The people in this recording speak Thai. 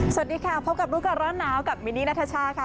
สวัสดีค่ะพบกับรู้กันร้อนน้าวกับมินีนาธาชาค่ะ